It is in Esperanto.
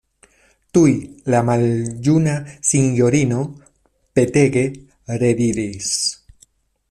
Tuj la maljuna sinjorino petege rediris: